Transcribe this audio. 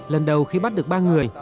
lần đầu khi bắt được ba người